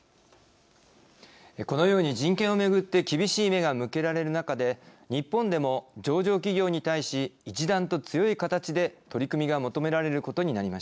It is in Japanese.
このように人権をめぐって厳しい目が向けられる中で日本でも上場企業に対し一段と強い形で取り組みが求められることになりました。